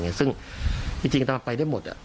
อย่างเงี้ยซึ่งจริงก็ไปได้หมดอ่ะ